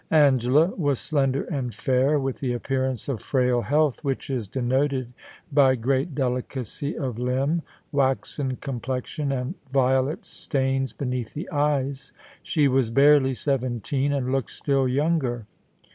Angela was slender and fair, with the appearance of frail health which is denoted by great delicacy of limb, waxen complexioQ, and violet stains beneath the eyes. She was barely seventeen, and looked still younger.